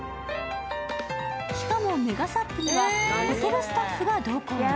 しかも、メガＳＵＰにはホテルスタッフが同行。